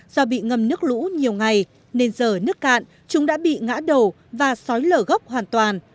do bị ngâm nước lũ nhiều ngày nên giờ nước cạn chúng đã bị ngã đổ và sói lở gốc hoàn toàn